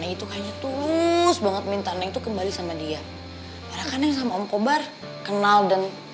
itu hanya terus banget minta neng kembali sama dia makanya sama om kebar kenal dan